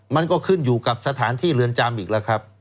มันก็ขึ้นอยู่กับสถานที่เรือนจำอีกแล้วครับ